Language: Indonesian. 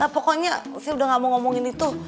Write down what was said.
pokoknya saya udah gak mau ngomongin itu